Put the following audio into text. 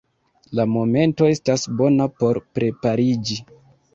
La momento estas bona por prepariĝi.